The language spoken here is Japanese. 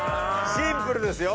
シンプルですよ。